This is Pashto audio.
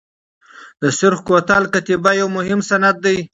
د سرخ کوتل کتیبه یو مهم سند دی.